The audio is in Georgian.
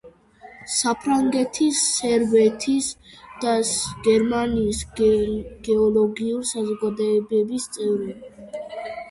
საფრანგეთის, სერბეთის და გერმანიის გეოლოგიური საზოგადოებების წევრი.